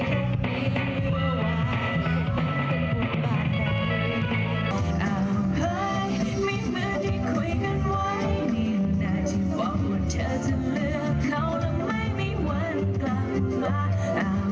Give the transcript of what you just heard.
อ่าเฮ้ยมีเหมือนที่คุยกันไว้แม่นายพี่บอกว่าเธอจะเลือกเขาแล้วไม่มีวันกลับมา